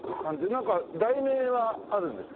なんか題名はあるんですか？